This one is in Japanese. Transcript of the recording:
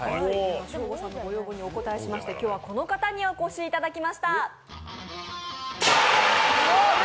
ショーゴさんのご要望にお応えしまして今日はこの方にお越しいただきました。